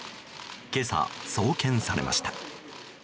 今朝、送検されました。